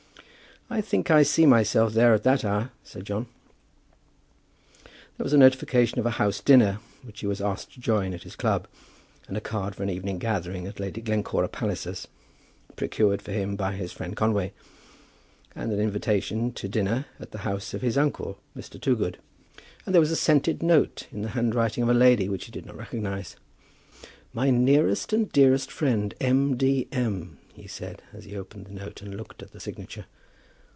"I think I see myself there at that hour," said John. There was a notification of a house dinner, which he was asked to join, at his club, and a card for an evening gathering at Lady Glencora Palliser's, procured for him by his friend Conway, and an invitation to dinner at the house of his uncle, Mr. Toogood; and there was a scented note in the handwriting of a lady, which he did not recognize. "My nearest and dearest friend, M. D. M.," he said, as he opened the note and looked at the signature.